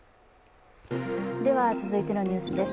続いてのニュースです。